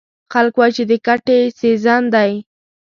خلک وایي چې د ګټې سیزن دی.